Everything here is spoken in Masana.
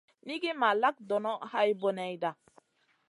Nigi ma lak donoʼ hay boneyda.